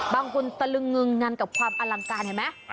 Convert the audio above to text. ตะลึงงึงงันกับความอลังการเห็นไหม